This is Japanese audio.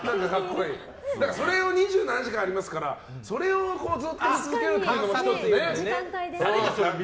２７時間ありますからそれをずっと見続けるっていうのも１つね。